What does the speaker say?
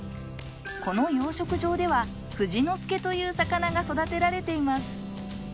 この養殖場ではフジノスケという魚が育てられています。